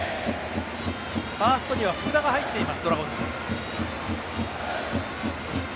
ファーストには福田が入っています